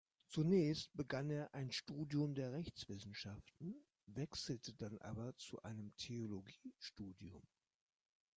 Zunächst begann er ein Studium der Rechtswissenschaften, wechselte dann aber zu einem Theologiestudium.